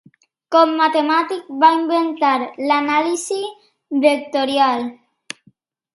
Com a matemàtic, va inventar l'anàlisi vectorial.